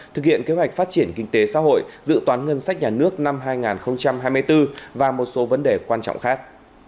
thực hiện kế hoạch phát triển kinh tế xã hội dự toán ngân sách nhà nước năm hai nghìn hai mươi bốn và một số vấn đề quan trọng khác